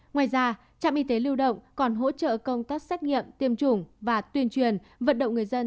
ngoài ra trạm y tế lưu động còn hỗ trợ công tác xét nghiệm tiêm chủng và tuyên truyền vận động người dân